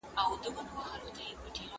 دا زما د ورځني ژوند عادت دی.